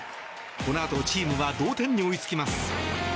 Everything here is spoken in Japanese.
このあとチームは同点に追いつきます。